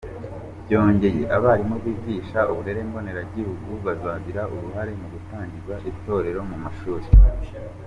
Byongeye abarimu bigisha uburere mboneragihugu bazagira uruhare mu gutangiza Itorero mu mashuri.